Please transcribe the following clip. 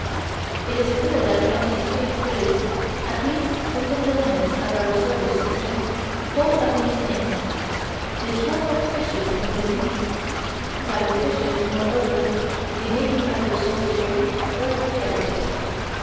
It is clear that "empty space" is, at least within the limits of our solar system, full of these things. They swarm like fishes in the seas. Like the fishes, moreover, they may be either solitary or gregarious.